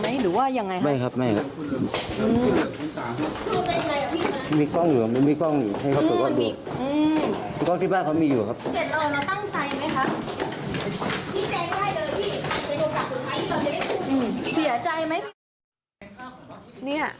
ถามเค้าแล้วฟังเค้าสิเค้าตอบเหตุผลไหม